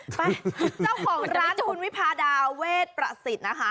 ไปเจ้าของร้านคุณวิพาดาเวทประสิทธิ์นะคะ